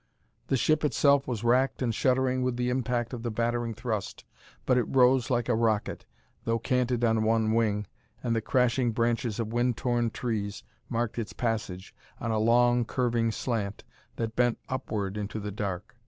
The ship itself was racked and shuddering with the impact of the battering thrust, but it rose like a rocket, though canted on one wing, and the crashing branches of wind torn trees marked its passage on a long, curving slant that bent upward into the dark.